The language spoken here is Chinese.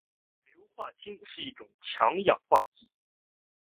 硫酸锑是一种强氧化剂。